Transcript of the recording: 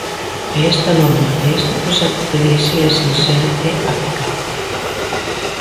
E esta norma e este proxecto de lei si é sinxelo e aplicable.